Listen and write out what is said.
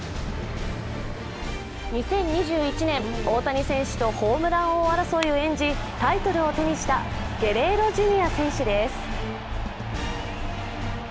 ２０２１年、大谷選手とホームラン王争いを演じタイトルを手にしたゲレーロ・ジュニア選手です。